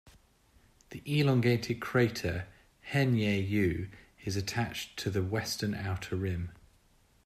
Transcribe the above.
The elongated crater Henyey U is attached to the western outer rim.